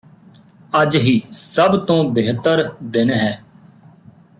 ਅੱਜ ਹੀ ਸਭ ਤੋਂ ਬੇਹਤਰ ਦਿਨ ਹੈ